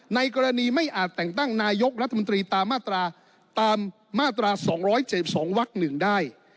ในกรณีไม่อาจแต่งตั้งนายกรัฐมนตรีตามมาตราตามมาตราสองร้อยเจ็บสองวักหนึ่งได้